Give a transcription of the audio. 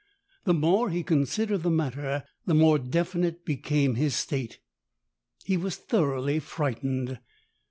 The more he considered the matter, the more definite became his state. He was thoroughly frightened.